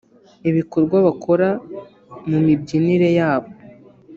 ibikorwa bakora mu mibyinire yabo